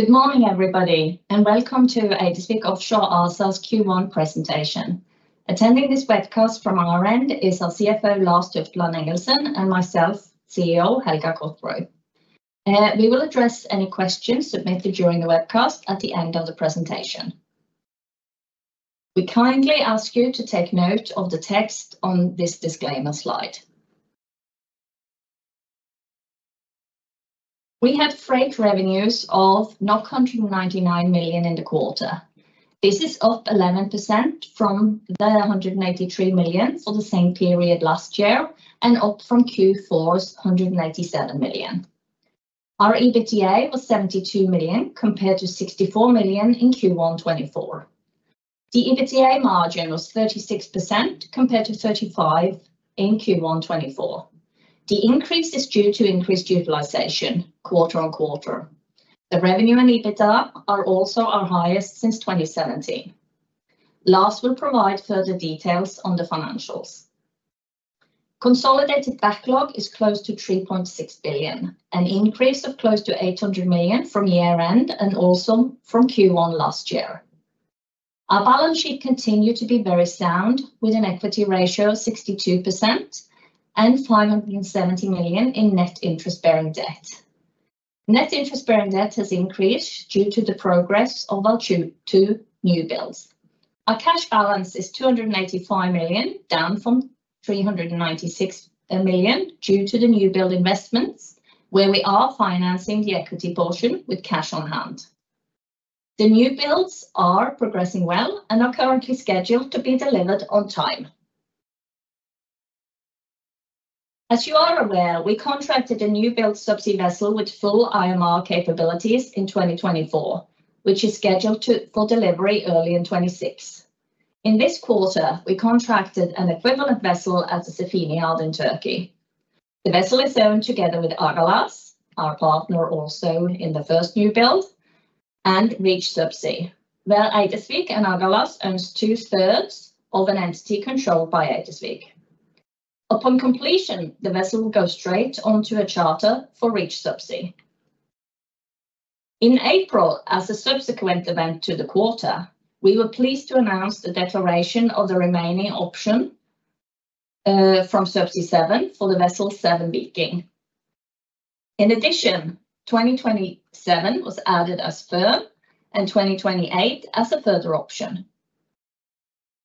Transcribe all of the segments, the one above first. Good morning, everybody, and welcome to Eidesvik Offshore ASA's Q1 presentation. Attending this webcast from our end is our CFO, Lars Tufteland Engelsen, and myself, CEO Helga Cotgrove. We will address any questions submitted during the webcast at the end of the presentation. We kindly ask you to take note of the text on this disclaimer slide. We had freight revenues of 999 million in the quarter. This is up 11% from the 183 million for the same period last year and up from Q4's 187 million. Our EBITDA was 72 million compared to 64 million in Q1 2024. The EBITDA margin was 36% compared to 35% in Q1 2024. The increase is due to increased utilization, quarter on quarter. The revenue and EBITDA are also our highest since 2017. Lars will provide further details on the financials. Consolidated backlog is close to 3.6 billion, an increase of close to 800 million from year-end and also from Q1 last year. Our balance sheet continued to be very sound, with an equity ratio of 62% and 570 million in net interest-bearing debt. Net interest-bearing debt has increased due to the progress of our two new builds. Our cash balance is 285 million, down from 396 million due to the new build investments, where we are financing the equity portion with cash on hand. The new builds are progressing well and are currently scheduled to be delivered on time. As you are aware, we contracted a new build subsea vessel with full IMR capabilities in 2024, which is scheduled for delivery early in 2026. In this quarter, we contracted an equivalent vessel at the Sefine Shipyard in Turkey. The vessel is owned together with Agalas, our partner also in the first new build, and Reach Subsea, where Eidesvik and Agalas owns two-thirds of an entity controlled by Eidesvik. Upon completion, the vessel will go straight onto a charter for Reach Subsea. In April, as a subsequent event to the quarter, we were pleased to announce the declaration of the remaining option from Subsea7 for the vessel Seven Viking. In addition, 2027 was added as firm and 2028 as a further option.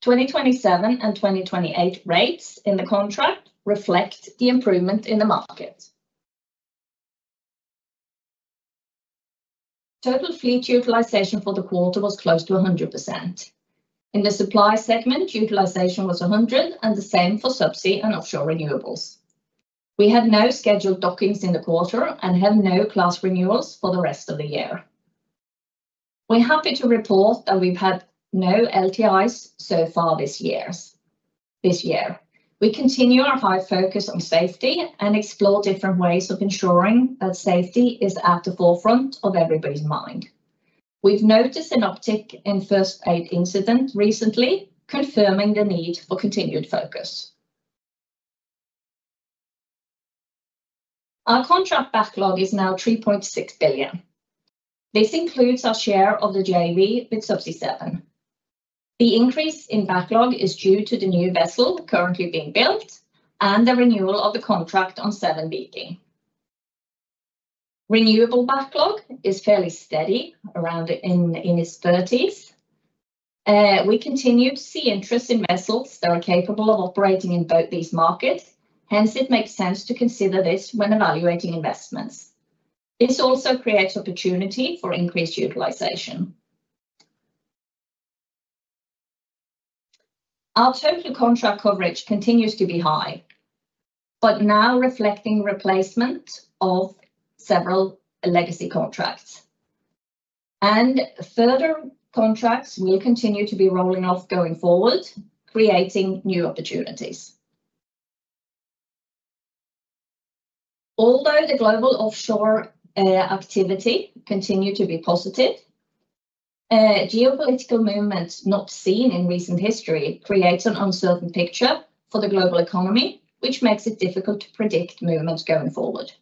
2027 and 2028 rates in the contract reflect the improvement in the market. Total fleet utilization for the quarter was close to 100%. In the supply segment, utilization was 100% and the same for subsea and offshore renewables. We had no scheduled dockings in the quarter and have no class renewals for the rest of the year. We're happy to report that we've had no LTIs so far this year. We continue our high focus on safety and explore different ways of ensuring that safety is at the forefront of everybody's mind. We've noticed an uptick in first aid incidents recently, confirming the need for continued focus. Our contract backlog is now 3.6 billion. This includes our share of the JV with Subsea7. The increase in backlog is due to the new vessel currently being built and the renewal of the contract on Seven Viking. Renewable backlog is fairly steady, around in its 30s. We continue to see interest in vessels that are capable of operating in both these markets. Hence, it makes sense to consider this when evaluating investments. This also creates opportunity for increased utilization. Our total contract coverage continues to be high, but now reflecting replacement of several legacy contracts. Further contracts will continue to be rolling off going forward, creating new opportunities. Although the global offshore activity continues to be positive, geopolitical movements not seen in recent history create an uncertain picture for the global economy, which makes it difficult to predict movements going forward.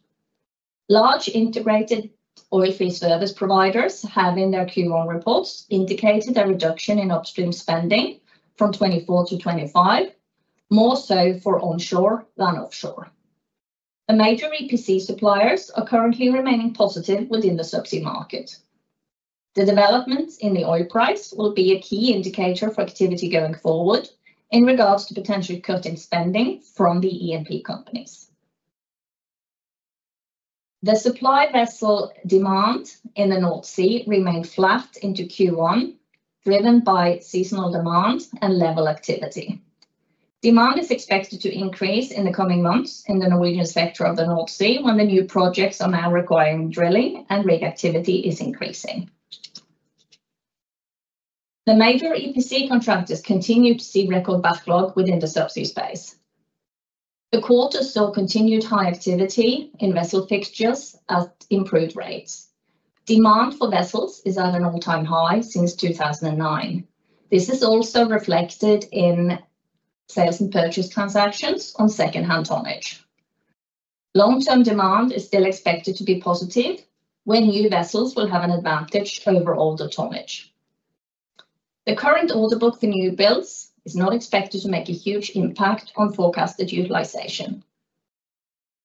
Large integrated oilfield service providers have in their Q1 reports indicated a reduction in upstream spending from 2024 to 2025, more so for onshore than offshore. The major EPC suppliers are currently remaining positive within the subsea market. The development in the oil price will be a key indicator for activity going forward in regards to potential cut in spending from the E&P companies. The supply vessel demand in the North Sea remained flat into Q1, driven by seasonal demand and level activity. Demand is expected to increase in the coming months in the Norwegian sector of the North Sea when the new projects are now requiring drilling and rig activity is increasing. The major EPC contractors continue to see record backlog within the subsea space. The quarter saw continued high activity in vessel fixtures at improved rates. Demand for vessels is at an all-time high since 2009. This is also reflected in sales and purchase transactions on second-hand tonnage. Long-term demand is still expected to be positive when new vessels will have an advantage over older tonnage. The current order book for new builds is not expected to make a huge impact on forecasted utilization.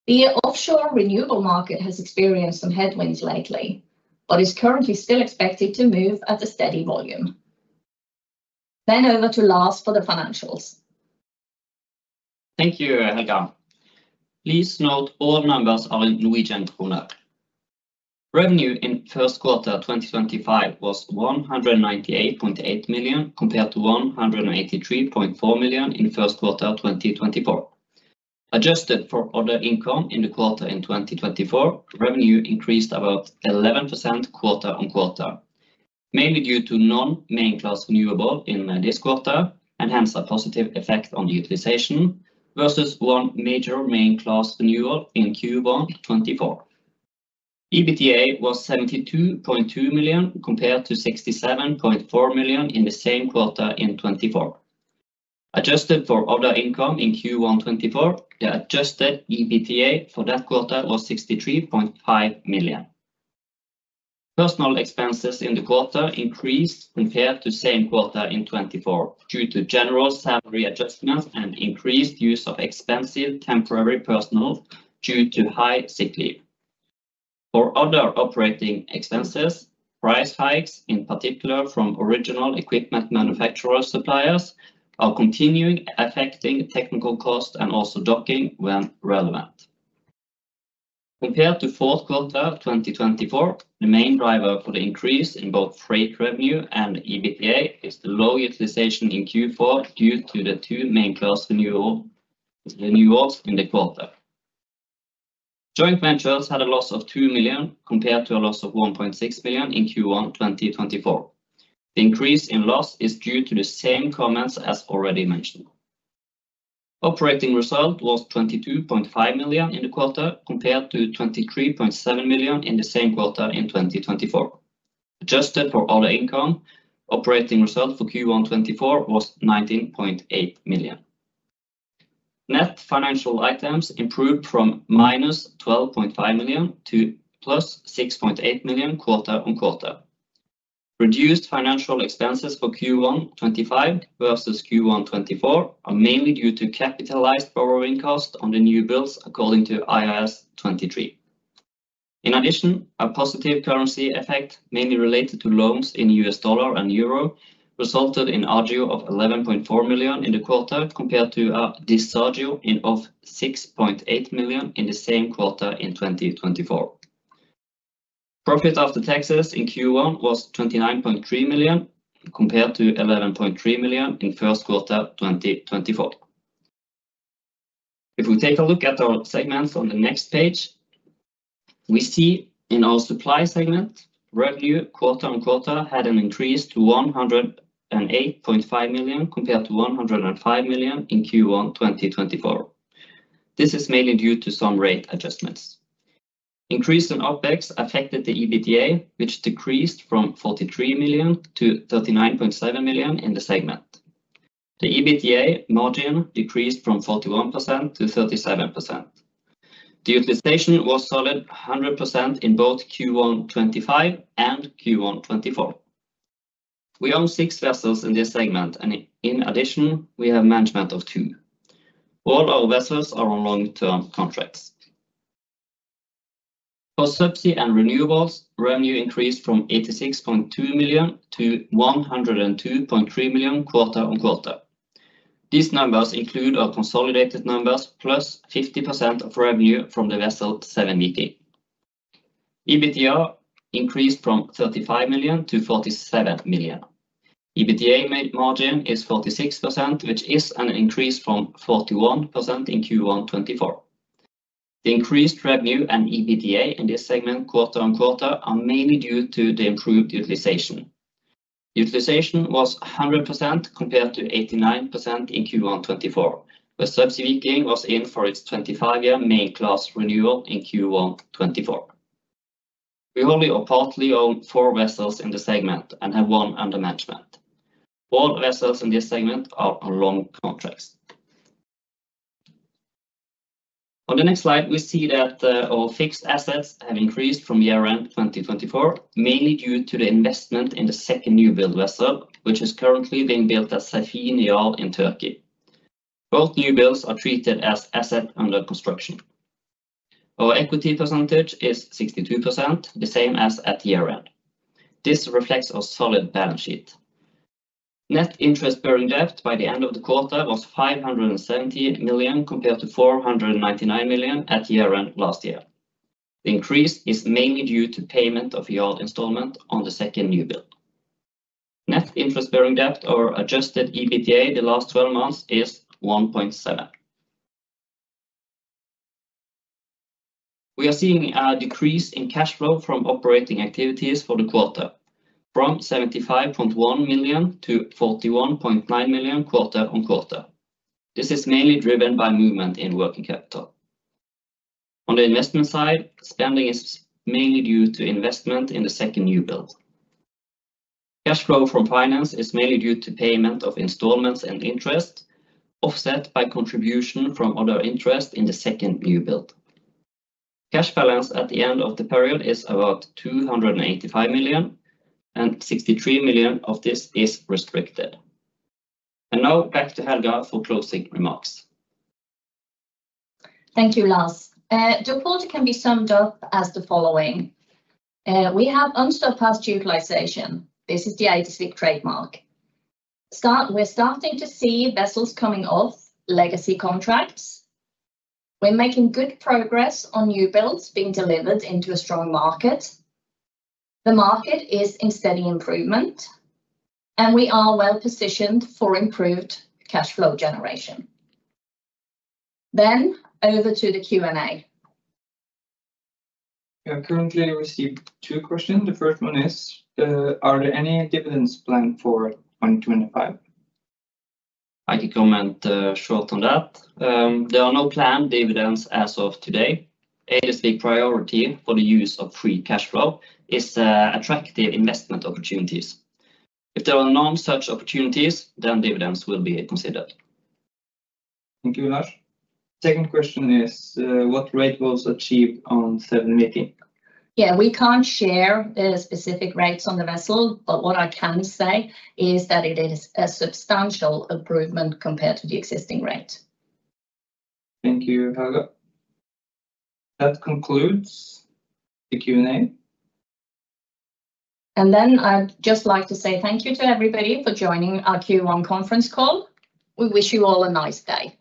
The offshore renewable market has experienced some headwinds lately, but is currently still expected to move at a steady volume. Over to Lars for the financials. Thank you, Helga. Please note all numbers are in Norwegian krone. Revenue in first quarter 2025 was 198.8 million compared to 183.4 million in first quarter 2024. Adjusted for other income in the quarter in 2024, revenue increased about 11% quarter on quarter, mainly due to non-main class renewal in this quarter and hence a positive effect on utilization versus one major main class renewal in Q1 2024. EBITDA was 72.2 million compared to 67.4 million in the same quarter in 2024. Adjusted for other income in Q1 2024, the adjusted EBITDA for that quarter was 63.5 million. Personnel expenses in the quarter increased compared to same quarter in 2024 due to general salary adjustments and increased use of expensive temporary personnel due to high sick leave. For other operating expenses, price hikes, in particular from original equipment manufacturer suppliers, are continuing affecting technical cost and also docking when relevant. Compared to fourth quarter 2024, the main driver for the increase in both freight revenue and EBITDA is the low utilization in Q4 due to the two main class renewals in the quarter. Joint ventures had a loss of 2 million compared to a loss of 1.6 million in Q1 2024. The increase in loss is due to the same comments as already mentioned. Operating result was 22.5 million in the quarter compared to 23.7 million in the same quarter in 2024. Adjusted for other income, operating result for Q1 2024 was 19.8 million. Net financial items improved from minus 12.5 million to plus 6.8 million quarter on quarter. Reduced financial expenses for Q1 2025 versus Q1 2024 are mainly due to capitalized borrowing cost on the new builds according to IAS 23. In addition, a positive currency effect mainly related to loans in US dollar and euro resulted in a gain of 11.4 million in the quarter compared to a loss of 6.8 million in the same quarter in 2024. Profit after taxes in Q1 was 29.3 million compared to 11.3 million in first quarter 2024. If we take a look at our segments on the next page, we see in our supply segment, revenue quarter on quarter had an increase to 108.5 million compared to 105 million in Q1 2024. This is mainly due to some rate adjustments. Increase in OpEx affected the EBITDA, which decreased from 43 million to 39.7 million in the segment. The EBITDA margin decreased from 41% to 37%. The utilization was solid 100% in both Q1 2025 and Q1 2024. We own six vessels in this segment, and in addition, we have management of two. All our vessels are on long-term contracts. For subsea and renewables, revenue increased from 86.2 million to 102.3 million quarter on quarter. These numbers include our consolidated numbers plus 50% of revenue from the vessel Seven Viking. EBITDA increased from 35 million to 47 million. EBITDA margin is 46%, which is an increase from 41% in Q1 2024. The increased revenue and EBITDA in this segment quarter on quarter are mainly due to the improved utilization. Utilization was 100% compared to 89% in Q1 2024, where Subsea Viking was in for its 25-year main class renewal in Q1 2024. We only partly own four vessels in the segment and have one under management. All vessels in this segment are on long contracts. On the next slide, we see that our fixed assets have increased from year-end 2024, mainly due to the investment in the second new build vessel, which is currently being built at Sefine Shipyard in Turkey. Both new builds are treated as asset under construction. Our equity percentage is 62%, the same as at year-end. This reflects a solid balance sheet. Net interest-bearing debt by the end of the quarter was 570 million compared to 499 million at year-end last year. The increase is mainly due to payment of yard installment on the second new build. Net interest-bearing debt or adjusted EBITDA the last 12 months is 1.7. We are seeing a decrease in cash flow from operating activities for the quarter, from 75.1 million to 41.9 million quarter on quarter. This is mainly driven by movement in working capital. On the investment side, spending is mainly due to investment in the second new build. Cash flow from finance is mainly due to payment of installments and interest, offset by contribution from other interest in the second new build. Cash balance at the end of the period is about 285 million, and 63 million of this is restricted. Now back to Helga for closing remarks. Thank you, Lars. The quarter can be summed up as the following. We have unsurpassed utilization. This is the Eidesvik trademark. We're starting to see vessels coming off legacy contracts. We're making good progress on new builds being delivered into a strong market. The market is in steady improvement, and we are well positioned for improved cash flow generation. Over to the Q&A. I currently received two questions. The first one is, are there any dividends planned for 2025? I can comment short on that. There are no planned dividends as of today. Eidesvik priority for the use of free cash flow is attractive investment opportunities. If there are non-search opportunities, then dividends will be considered. Thank you, Lars. Second question is, what rate was achieved on Seven Viking? Yeah, we can't share specific rates on the vessel, but what I can say is that it is a substantial improvement compared to the existing rate. Thank you, Helga. That concludes the Q&A. I would just like to say thank you to everybody for joining our Q1 conference call. We wish you all a nice day.